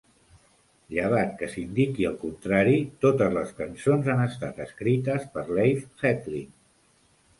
Llevat que s'indiqui el contrari, totes les cançons han estat escrites per Leif Edling.